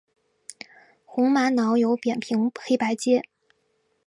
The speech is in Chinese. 红玛瑙有扁平黑白阶。